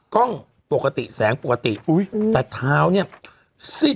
กล้องปกติแสงปกติแต่เท้าเนี่ย